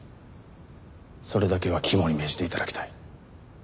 それだけは肝に銘じて頂きたい。